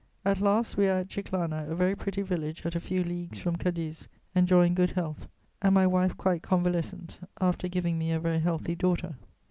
"At last we are at Chiclana, a very pretty village at a few leagues from Cadiz, enjoying good health, and my wife quite convalescent, after giving me a very healthy daughter.